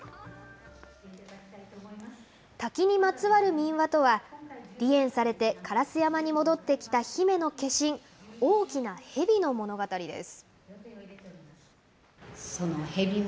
滝にまつわる民話とは、離縁されて烏山に戻って来た姫の化身、大きな蛇の物語です。